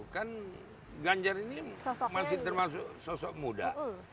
kan ganjar ini masih termasuk sosok muda